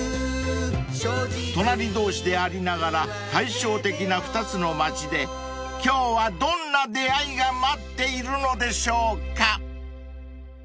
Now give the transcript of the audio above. ［隣同士でありながら対照的な２つの町で今日はどんな出会いが待っているのでしょうか？］